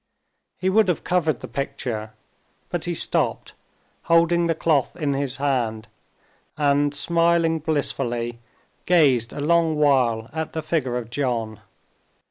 He would have covered the picture, but he stopped, holding the cloth in his hand, and, smiling blissfully, gazed a long while at the figure of John.